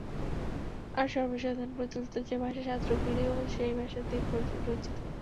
আর সর্বসাধারণে প্রচলিত যে ভাষা, শাস্ত্রগ্রন্থগুলিও সেই ভাষাতেই রচিত।